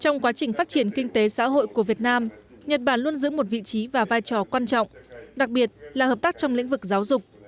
trong quá trình phát triển kinh tế xã hội của việt nam nhật bản luôn giữ một vị trí và vai trò quan trọng đặc biệt là hợp tác trong lĩnh vực giáo dục